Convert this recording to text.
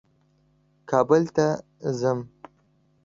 کابل ته ځم.